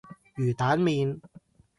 魚蛋麪